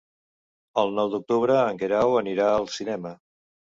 El nou d'octubre en Guerau anirà al cinema.